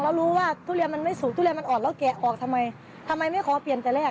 แล้วรู้ว่าทุเรียนมันไม่สูดทุเรียนมันอ่อนแล้วแกะออกทำไมทำไมไม่ขอเปลี่ยนแต่แรก